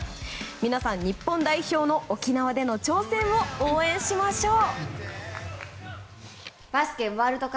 皆さん、日本代表の沖縄での挑戦を応援しましょう！